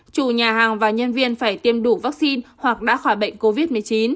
chủ nhà hàng và nhân viên phải tiêm đủ vaccine hoặc đã khỏi bệnh covid một mươi chín